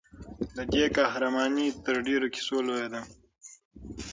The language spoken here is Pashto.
د دې قهرماني تر ډېرو کیسو لویه ده.